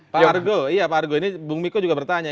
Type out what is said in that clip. pak argo iya pak argo ini bung miko juga bertanya